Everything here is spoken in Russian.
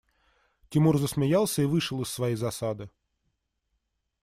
Тимур засмеялся и вышел из своей засады.